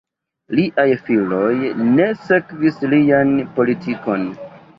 Liaj filoj ne sekvis lian politikon.